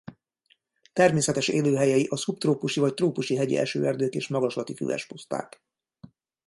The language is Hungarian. Természetes élőhelyei a szubtrópusi vagy trópusi hegyi esőerdők és magaslati füves puszták.